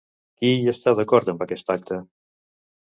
Qui hi està d'acord amb aquest pacte?